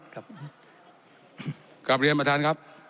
กลับเรียนประธานครับ